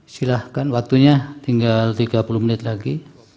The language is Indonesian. silahkan waktunya tinggal tiga puluh menit lagi